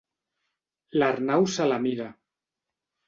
L'Arnau se la mira.